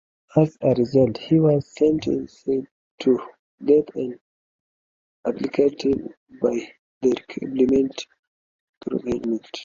As a result, he was sentenced to death "in absentia" by the Republican government.